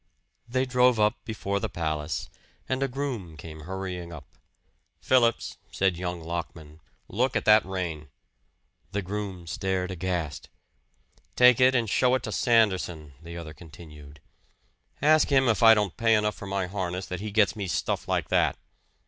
They drove up before the palace, and a groom came hurrying up. "Phillips," said young Lockman, "look at that rein!" The groom stared aghast. "Take it and show it to Sanderson," the other continued. "Ask him if I don't pay enough for my harness that he gets me stuff like that."